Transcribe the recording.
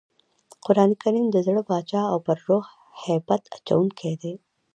قرانکریم د زړه باچا او پر روح هیبت اچوونکی دئ.